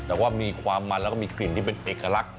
แต่ว่ามีความมันแล้วก็มีกลิ่นที่เป็นเอกลักษณ